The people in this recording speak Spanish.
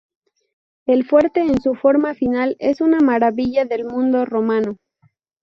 El fuerte en su forma final es una maravilla del mundo romano.